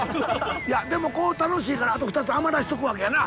いやでも楽しいからあと２つ余らしとくわけやな。